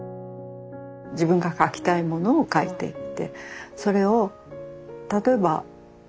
自分が描きたいものを描いていってそれを例えば読む人それぞれね